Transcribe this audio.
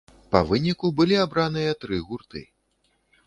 Па выніку былі абраныя тры гурты.